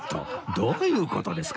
どういう事ですか？